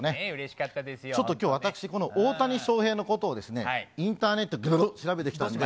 きょうは私、大谷翔平のことをインターネットで調べてきたんで。